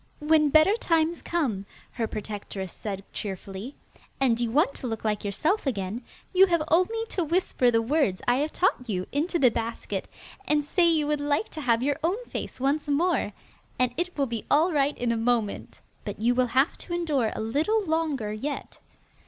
'When better times come,' her protectress said cheerfully, 'and you want to look like yourself again, you have only to whisper the words I have taught you into the basket, and say you would like to have your own face once more, and it will be all right in a moment. But you will have to endure a little longer yet.